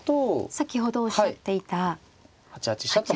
先ほどおっしゃっていた８八飛車が。